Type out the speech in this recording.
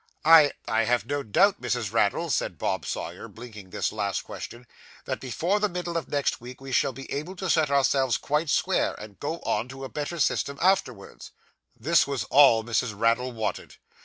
'I I have no doubt, Mrs. Raddle,' said Bob Sawyer, blinking this last question, 'that before the middle of next week we shall be able to set ourselves quite square, and go on, on a better system, afterwards.' This was all Mrs. Raddle wanted.